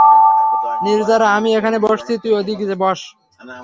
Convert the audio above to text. নির্জারা আমি এখানে বসছি, তুই ওইদিকে বস।